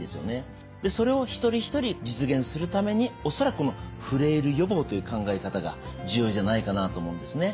それを一人一人実現するために恐らくこのフレイル予防という考え方が重要じゃないかなと思うんですね。